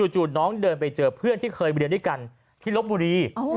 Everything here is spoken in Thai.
จู่น้องเดินไปเจอเพื่อนที่เคยเรียนด้วยกันที่ลบบุรี